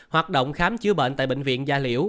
hoạt động khám chữa bệnh tại bệnh viện gia liễu